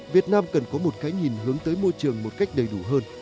việt nam cần có một cái nhìn hướng tới môi trường một cách đầy đủ hơn